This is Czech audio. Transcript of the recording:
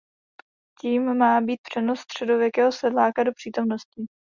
Tím má být přenos středověkého sedláka do přítomnosti.